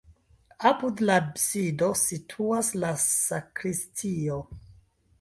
Apud la absido situas la sakristio.